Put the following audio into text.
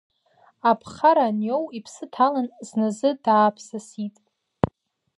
Аԥхара аниоу иԥсы ҭалан, зназы дааԥсасит.